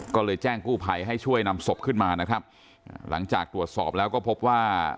ก็เลยแจ้งกู้ภัยให้ช่วยนำศพขึ้นมานะครับหลังจากตรวจสอบแล้วก็พบว่า